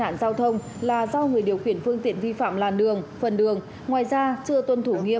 đáng lưu ý